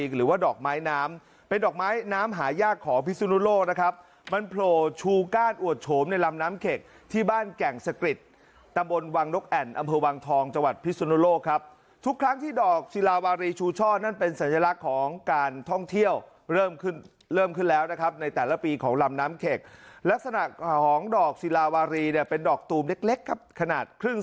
หรือว่าดอกไม้น้ำเป็นดอกไม้น้ำหายากของพิศุโนโลกนะครับมันโผล่ชูกาลอวดโฉมในลำน้ำเข็กที่บ้านแก่งสะกริดตำบลวังนกแอ่นอำเภอวังทองจังหวัดพิศุโนโลกครับทุกครั้งที่ดอกสิลาวารีชูช่อนั่นเป็นสัญลักษณ์ของการท่องเที่ยวเริ่มขึ้นเริ่มขึ้นแล้วนะครับในแต่ละปีของลำน้ำเข็กลั